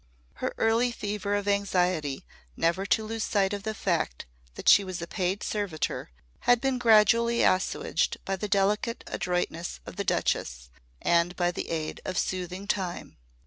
Her early fever of anxiety never to lose sight of the fact that she was a paid servitor had been gradually assuaged by the delicate adroitness of the Duchess and by the aid of soothing time.